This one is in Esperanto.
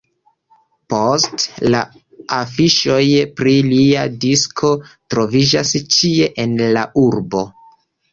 Poste, la afiŝoj pri lia disko troviĝas ĉie en la urbo.